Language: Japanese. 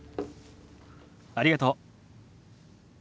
ありがとう。